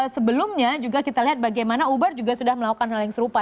sebelumnya juga kita lihat bagaimana uber juga sudah melakukan hal yang serupa